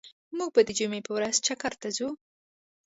موږ به د جمعی په ورځ چکر ته ځو